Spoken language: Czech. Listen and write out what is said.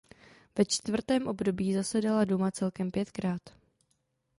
Ve čtvrtém období zasedala duma celkem pětkrát.